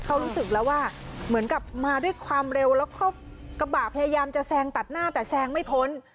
เขารู้สึกแล้วว่าเหมือนกับมาด้วยความเร็วแล้วก็กระบะพยายามจะแซงตัดหน้าแต่แซงไม่พ้น